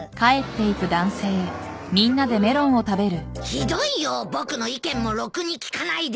ひどいよ僕の意見もろくに聞かないで。